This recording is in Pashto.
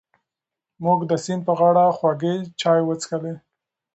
موږ د سیند په غاړه خوږې چای وڅښلې.